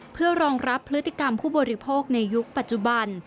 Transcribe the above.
เพื่อรองรับพฤติกรรมผู้บริโภคในยุคปัจจุบัน